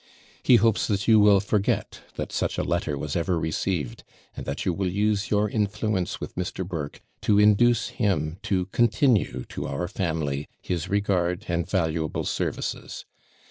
He hopes that you will forget that such a letter was ever received, and that you will use your influence with Mr. Burke to induce him to continue to our family his regard and valuable services.